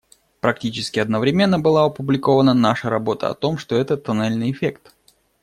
Практически одновременно была опубликована наша работа о том, что это тоннельный эффект.